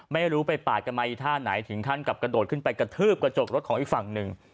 ไม่รู้ไปปาดกันมาอีกท่าไหนถึงขั้นกับกระโดดขึ้นไปกระทืบกระจกรถของอีกฝั่งหนึ่ง